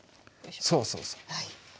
そうそうそう。